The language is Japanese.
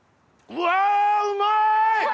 うわうまい！